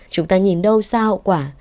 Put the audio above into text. chúng ta nhìn đâu xa hậu quả